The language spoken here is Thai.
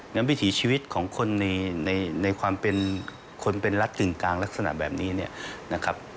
วิถีชีวิตของคนในความเป็นคนเป็นรักกึ่งกลางลักษณะแบบนี้เนี่ยนะครับ